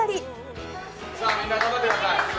さあみんな頑張ってください！